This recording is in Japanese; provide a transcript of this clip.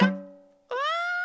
うわ。